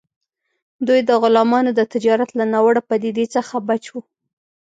دوی د غلامانو د تجارت له ناوړه پدیدې څخه بچ وو.